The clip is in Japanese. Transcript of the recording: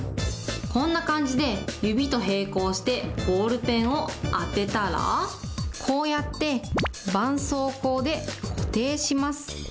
こんな感じで指と並行してボールペンを当てたら、こうやって、ばんそうこうで固定します。